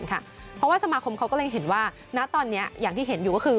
เพราะว่าสมาคมเขาก็เลยเห็นว่าณตอนนี้อย่างที่เห็นอยู่ก็คือ